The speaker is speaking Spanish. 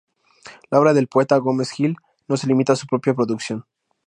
La obra del poeta Gómez Gil no se limita a su propia producción.